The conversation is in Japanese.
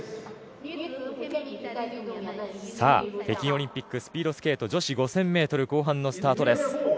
北京オリンピックスピードスケート女子５０００ｍ後半のスタートです。